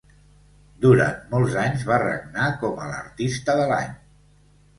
Durant molts anys va regnar com a l'Artista de l'Any.